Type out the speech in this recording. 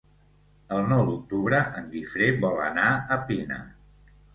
El nou d'octubre en Guifré vol anar a Pina.